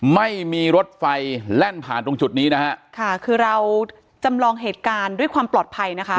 ไม่มีรถไฟแล่นผ่านตรงจุดนี้นะฮะค่ะคือเราจำลองเหตุการณ์ด้วยความปลอดภัยนะคะ